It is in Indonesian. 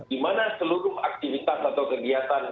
di mana seluruh aktivitas atau kegiatan